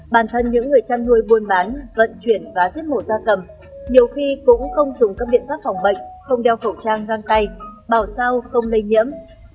bản thân những người chăn nuôi buôn bán vận chuyển và giết mổ da cầm nhiều khi cũng không dùng các biện pháp phòng bệnh không đeo khẩu trang găng tay bảo sao không lây nhiễm